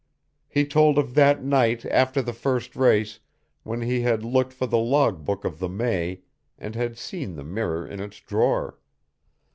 He told of that night after the first race when he had looked for the log book of the May and had seen the mirror in its drawer.